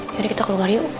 yaudah kita keluar yuk